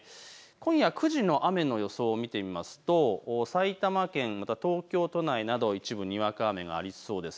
今夜９時の雨の予想を見てみますと埼玉県、また東京都内など一部にわか雨がありそうです。